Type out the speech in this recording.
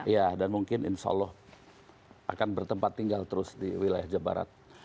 iya dan mungkin insya allah akan bertempat tinggal terus di wilayah jebarat